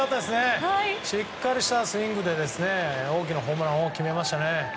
しっかりしたスイングで大きなホームランを決めました。